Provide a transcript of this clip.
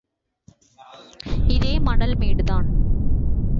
இதே மணல் மேடுதான்...!